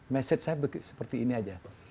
message saya seperti ini aja